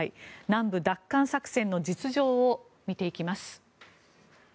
南部奪還作戦の実情を見ていきます。